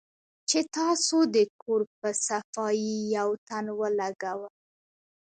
چې تاسو د کور پۀ صفائي يو تن ولګوۀ